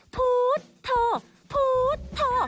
ฟู๊ดโถฟู๊ดโถ